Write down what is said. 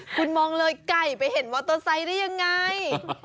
คุณมองเลยไก่ไปเห็นมอเตอร์ไซค์ได้ยังไง